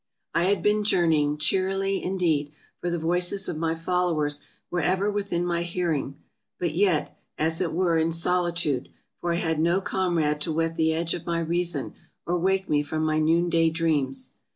I had been journeying, cheerily indeed, for the voices of my followers were ever within my hearing, but yet, as it were, in solitude, for I had no comrade to whet the edge of my reason, or wake me from my noonday dreams.